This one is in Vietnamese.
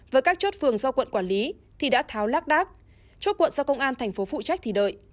với các chốt phường do quận quản lý thì đã tháo lác đác chốt quận do công an thành phố phụ trách thì đợi